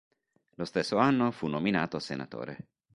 Lo stesso anno fu nominato Senatore.